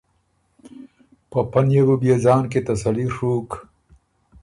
په پۀ نيې بُو بيې ځان کی تسلي ڒُوک۔